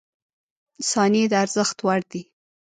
• ثانیې د ارزښت وړ دي.